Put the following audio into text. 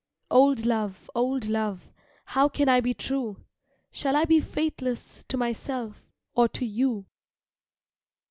Old love, old love, How can I be true? Shall I be faithless to myself Or to you?